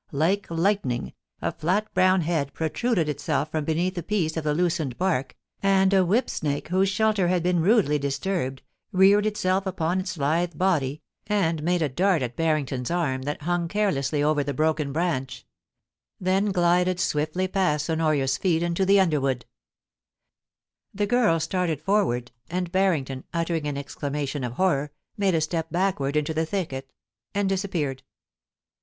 Like lightning, a flat brown head protruded itself from beneath a piece of the loosened bark, and a whip> snake, whose shelter had been rudely dis turbed, reared itself upon its lithe body, and made a dart at 2CO POLICY AND PASSION, Barrington's ann that hung carelessly over the broken branch ; then glided swiftly past Honoria's feet into the underwood The girl started forward, and Barrington, uttering an ex clamation of horror, made a step backward into the thicket — and disappeared.